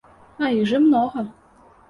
А іх жа многа.